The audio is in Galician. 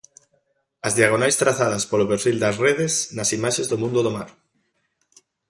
As diagonais trazadas polo perfil das redes, nas imaxes do mundo do mar.